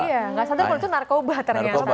tidak sadar kalau itu narkoba